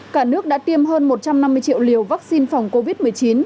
cả nước đã tiêm hơn một trăm năm mươi triệu liều vắc xin phòng covid một mươi chín